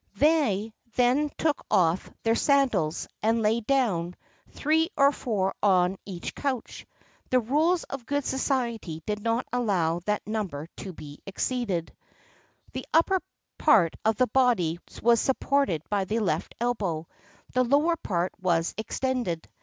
[XXXII 53] They then took off their sandals,[XXXII 54] and lay down, three or four on each couch.[XXXII 55] The rules of good society did not allow that number to be exceeded. The upper part of the body was supported by the left elbow; the lower part was extended.